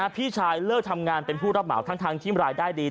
พี่ชายเลิกทำงานเป็นผู้รับเหมาทั้งที่รายได้ดี